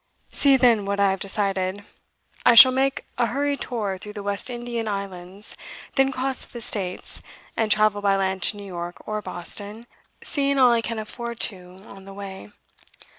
'See, then, what I have decided. I shall make a hurried tour through the West Indian Islands, then cross to the States, and travel by land to New York or Boston, seeing all I can afford to on the way.